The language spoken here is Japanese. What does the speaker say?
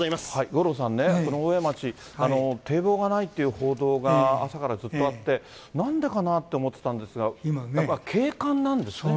五郎さんね、この大江町、堤防がないという報道が朝からずっとあって、なんでかなって思ってたんですが、やっぱり景観なんですね。